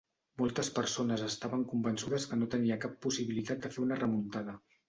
Moltes persones estaven convençudes que no tenia cap possibilitat de fer una remuntada.